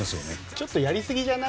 ちょっとやりすぎじゃない？